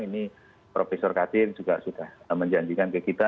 ini prof kadir juga sudah menjanjikan ke kita